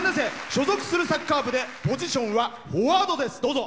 所属するサッカー部でポジションはフォワードです。